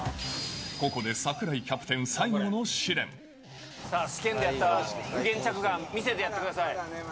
ここで櫻井キャプテン、さあ、試験でやった右舷着岸、見せてやってください。